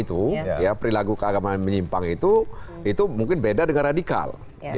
jadi perilaku keagaman yang menyimpang itu mungkin beda dengan radikal